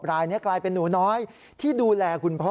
รายนี้กลายเป็นหนูน้อยที่ดูแลคุณพ่อ